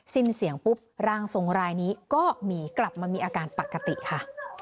สิ้นเสียงปุ๊บร่างทรงรายนี้ก็มีกลับมามีอาการปกติค่ะ